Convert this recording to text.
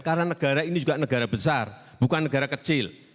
karena negara ini juga negara besar bukan negara kecil